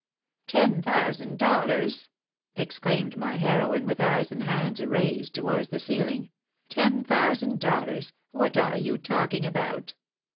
" Ten thousand dollars !!!" exclaimed my heroine, with eyes and hands raised towards the ceiling. "Ten thousand dollars! What are you talking about